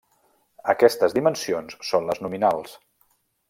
Aquestes dimensions són les nominals.